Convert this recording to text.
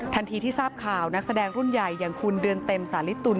ที่ทราบข่าวนักแสดงรุ่นใหญ่อย่างคุณเดือนเต็มสาลิตุล